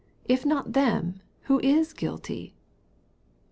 If not them, who is guilty